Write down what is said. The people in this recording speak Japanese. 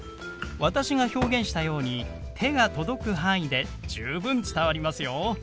私が表現したように手が届く範囲で十分伝わりますよ。